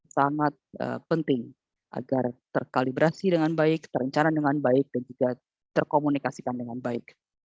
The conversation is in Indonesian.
sangat penting agar terkalibrasi dengan baik terencana dengan baik dan juga terkomunikasikan dengan baik